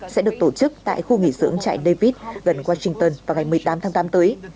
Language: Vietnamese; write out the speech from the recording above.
sẽ được tổ chức tại khu nghỉ dưỡng chạy david gần washington vào ngày một mươi tám tháng tám tới